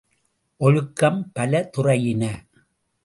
ஒழுக்கம் பல துறையின.